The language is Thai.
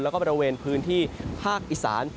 แล้วก็บริเวณพื้นที่ภาคอีสาน